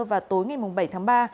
vào tối ngày bảy tháng ba